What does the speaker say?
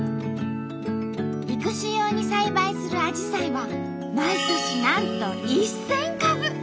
育種用に栽培するアジサイは毎年なんと１，０００株。